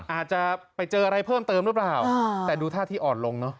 อาจจะไปเจออะไรเพิ่มเติมหรือเปล่าแต่ดูท่าที่อ่อนลงเนอะ